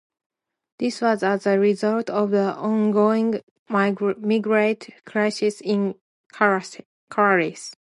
This was as a result of the ongoing migrant crisis in Calais.